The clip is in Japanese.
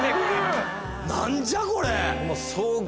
何じゃこれ。